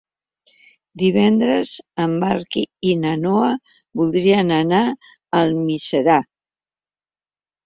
Divendres en Marc i na Noa voldrien anar a Almiserà.